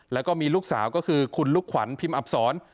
แล้วก็มีลูกสาวก็คือคุณลูกขวัญพิมพ์อับศร